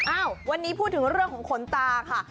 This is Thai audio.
อ้าววันนี้พูดถึงเรื่องของขนตาค่ะ